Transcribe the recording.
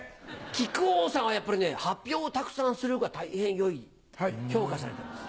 木久扇さんはやっぱりね「発表をたくさんする」が「たいへんよい」評価されてます。